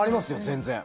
全然。